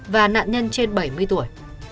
và nạn nhân trên bảy mươi tuổi